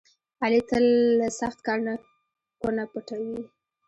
علي تل له سخت کار نه کونه پټوي.